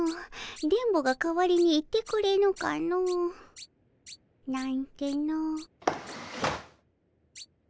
電ボが代わりに行ってくれぬかの。なんての。